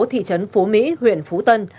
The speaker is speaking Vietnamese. thị trấn phú mỹ huyện phú tân